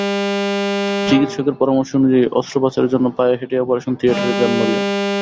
চিকিৎসকের পরামর্শ অনুযায়ী অস্ত্রোপচারের জন্য পায়ে হেঁটেই অপারেশন থিয়েটারে যান মরিয়ম।